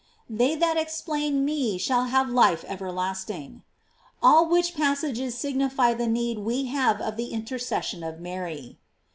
They that explain me shall have life everlasting."§ All which passages signify the need we have of the intercession of Mary.